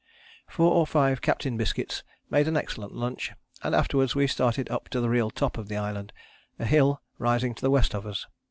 "Four or five Captain biscuits made an excellent lunch, and afterwards we started to the real top of the island, a hill rising to the west of us.